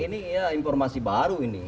ini ya informasi baru ini